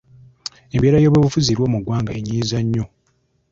Embeera y'ebyobufuzi eriwo mu ggwanga enyiiza nnyo.